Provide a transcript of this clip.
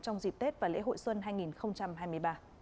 trong dịp tết và lễ hội xuân hai nghìn hai mươi ba